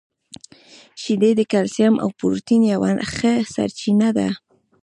• شیدې د کلسیم او پروټین یوه ښه سرچینه ده.